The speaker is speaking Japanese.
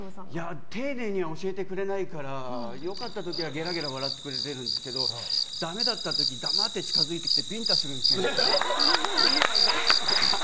丁寧には教えてくれないから良かった時はげらげら笑ってくれてるんですけどだめだった時黙って近づいてきてビンタするんですよ。